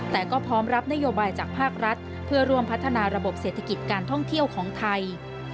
แต่ก็พร้อมรับนโยบายจากภาครัฐเพื่อร่วมพัฒนาระบบเศรษฐกิจการท่องเที่ยวของไทย